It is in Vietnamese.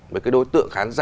với cái đối tượng khán giả